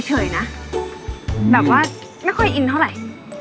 เฉยนะแบบว่าไม่ค่อยอินเท่าไหร่